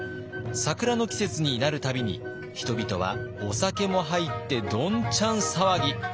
桜の季節になる度に人々はお酒も入ってどんちゃん騒ぎ。